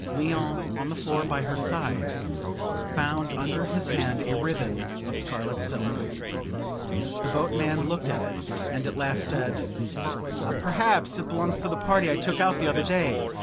Léon, on the floor by her side, found under his hand a ribbon of scarlet silk. The boatman looked at it, and at last said "Perhaps it belongs to the party I took out the other day.